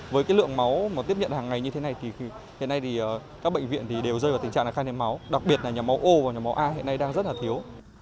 với lượng máu tiếp nhận hàng ngày như thế này thì hiện nay các bệnh viện đều rơi vào tình trạng khai niệm máu đặc biệt là nhà máu o và nhà máu a hiện nay đang rất là thiếu